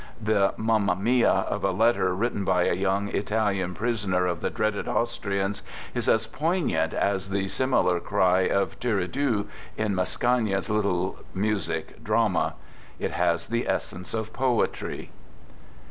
The " Mama mia " of a letter writ ten by a young Italian prisoner of the dreaded Austrians is as poignant as the similar cry of Tur ridu in Mascagni's little music drama. It has the essence of poetry.